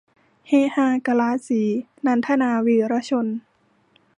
เฮฮากะลาสี - นันทนา วีระชน